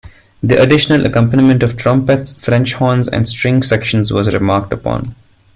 The additional accompaniment of trumpets, french-horns and string sections was remarked upon.